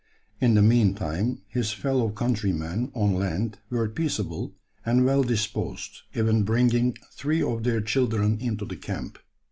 In the meantime his fellow countrymen on land were peaceable and well disposed, even bringing three of their children into the camp.